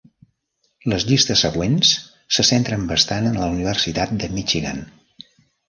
Les llistes següents se centren bastant en la Universitat de Michigan.